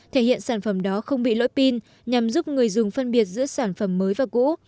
thể hiện sản phẩm đó không bị lỗi pin nhằm giúp người dùng phân biệt giữa sản phẩm mới và cũ